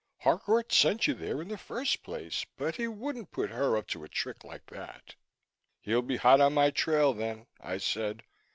Harcourt sent you there in the first place but he wouldn't put her up to a trick like that." "He'll be hot on my trail then," I said.